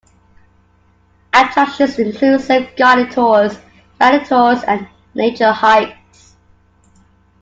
Attractions include self-guided tours, guided tours, and nature hikes.